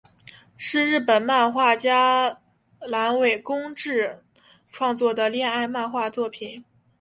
是日本漫画家濑尾公治创作的恋爱漫画作品。